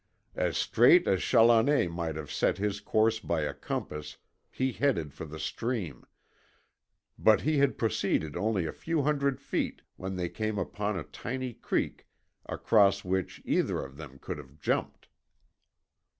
As straight as Challoner might have set his course by a compass he headed for the stream, but he had proceeded only a few hundred feet when they came upon a tiny creek across which either of them could have jumped.